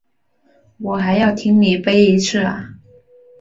我还要听你背一次啊？